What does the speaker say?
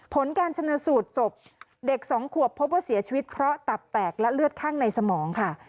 ผลการชนะสูตรศพเด็กสองขวบพบว่าเสียชีวิตเพราะตับแตกและเลือดข้างในสมองค่ะ